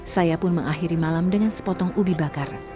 saya pun mengakhiri malam dengan sepotong ubi bakar